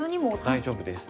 大丈夫です。